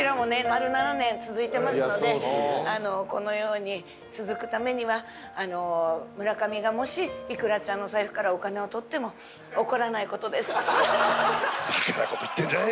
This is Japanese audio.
丸７年続いてますのでこのように続くためには村上がもしいくらちゃんの財布からお金を取っても怒らない事です。